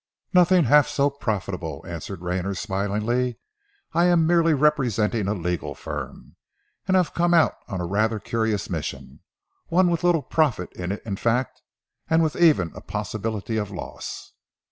"Nothing half so profitable," answered Rayner smilingly. "I am merely representing a legal firm, and have come out on a rather curious mission, one with little profit in it in fact, and with even a possibility of loss."